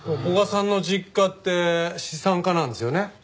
古賀さんの実家って資産家なんですよね？